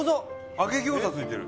揚げ餃子ついてる。